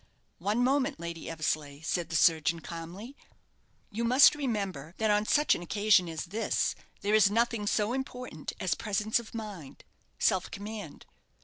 "One moment, Lady Eversleigh," said the surgeon, calmly. "You must remember, that on such an occasion as this, there is nothing so important as presence of mind self command.